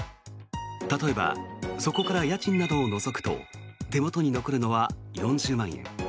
例えばそこから家賃などを除くと手元に残るのは４０万円。